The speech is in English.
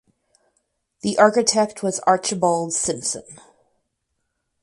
The architect was Archibald Simpson.